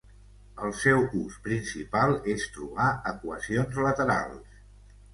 El seu ús principal és trobar equacions laterals.